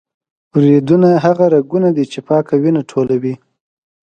وریدونه هغه رګونه دي چې پاکه وینه ټولوي.